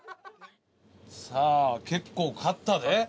さあ結構買ったで。